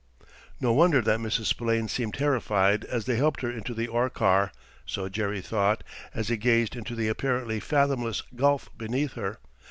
No wonder that Mrs. Spillane seemed terrified as they helped her into the ore car—so Jerry thought, as he gazed into the apparently fathomless gulf beneath her.